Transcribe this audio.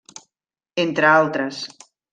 Entre altres.